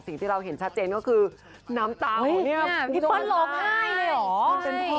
สิ่งที่เราเห็นชัดเจนก็คือน้ำเตาเนี่ยพี่เปิ้ลร้องไห้เลยเหรอ